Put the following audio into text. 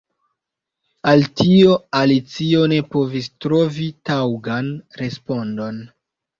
Al tio Alicio ne povis trovi taŭgan respondon.